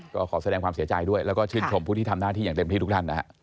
ก็ขอแสดงความเสียใจด้วยแล้วก็ชื่นชมผู้ที่ทำหน้าที่อย่างเต็มที่ทุกท่านนะฮะ